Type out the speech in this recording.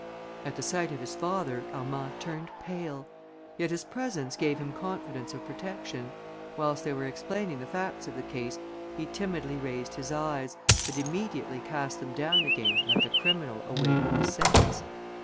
At the sight of his father, Armand turned pale; yet his presence gave him confidence of protection. Whilst they were explaining the facts of the case, he timidly raised his eyes, but immediately cast them down again, like a criminal awaiting his sentence.